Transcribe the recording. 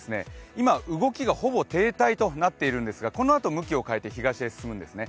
今、動きがほぼ停滞となっているんですが、このあと向きを変えて東へ進むんですね。